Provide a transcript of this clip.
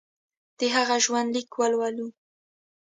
د هغه ژوندلیک ولولو.